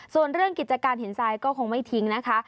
ส่วนเรื่องกิจการหินทรายก็คงไม่ทิ้งนะคะ